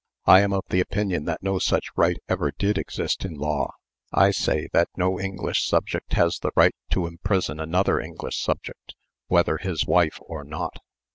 I am of the opinion that no such right ever did exist in law. I say that no English subject has the right to imprison another English subject, whether his wife or not."